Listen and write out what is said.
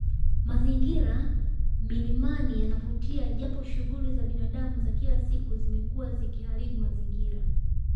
Mazingira milimani yanavutia japo shughuli za binadamu za kila siku zimekuwa zikiharibu mazingira